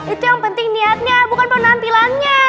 itu yang penting niatnya bukan penampilannya